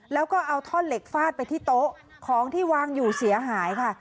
แล้วก็เอาท่อนเหล็กฟาดไปที่โต๊ะของที่วางอยู่เสียหายค่ะ